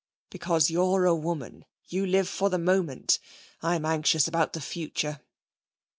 'Because you're a woman. You live for the moment. I'm anxious about the future.'